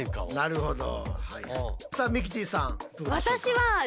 なるほど。